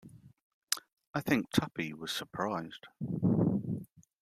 I think Tuppy was surprised.